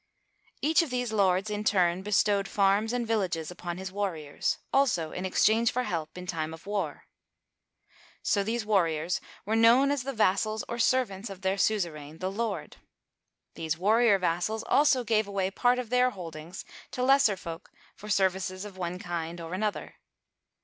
Each of these lords, in turn, bestowed farms and villages upon his warriors, also in exchange for help in time of war. So these warriors were known as the vassals or servants of their suzerain, the lord. These war rior vassals also gave away part of their holdings to lesser folk for services of one kind or another.